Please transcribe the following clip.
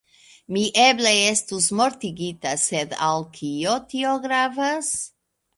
Mi eble estus mortigita, sed al kio tio gravas.